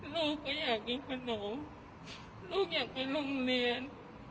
ลูกก็อยากกินขนมลูกอยากไปโรงเรียน